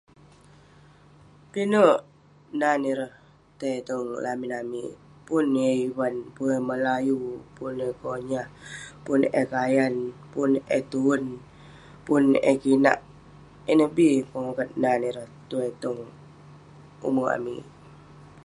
Pinek nan ireh tai tong lamin amik..pun yah ivan ,pun yah melayu, pongah eh konyah, pun eh kayan, pun eh tuern, pun eh kinak..ineh bi pengokat nan ireh tuai tong umerk amik ..